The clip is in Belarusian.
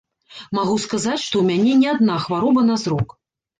Магу сказаць, што ў мяне не адна хвароба на зрок.